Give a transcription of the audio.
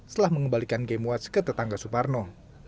setelah mengembalikan game watch ke tetangga suparno